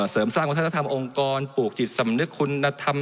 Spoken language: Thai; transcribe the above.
เสริมสร้างวัฒนธรรมองค์กรปลูกจิตสำนึกคุณธรรม